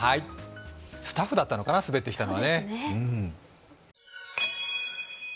スタッフだったのかな、滑ってきたのは。